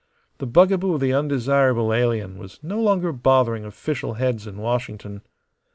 The bugaboo of the undesirable alien was no longer bothering official heads in Washington.